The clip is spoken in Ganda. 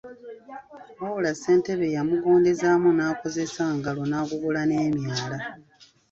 Wabula ssentebe yamugondezzaamu n’akozesa ngalo n’agogola n’emyala.